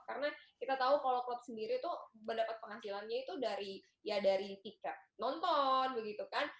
karena kita tahu kalau klub sendiri tuh pendapat penghasilannya itu dari ya dari tika nonton begitu kan